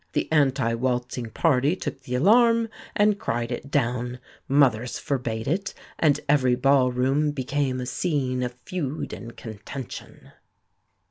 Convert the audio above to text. The anti waltzing party took the alarm, and cried it down; mothers forbade it, and every ballroom became a scene of feud and contention."